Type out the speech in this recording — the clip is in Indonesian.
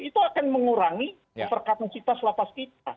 itu akan mengurangi perserkatan kita selapas kita